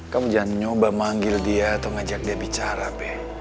kamu jangan nyoba manggil dia atau ngajak dia bicara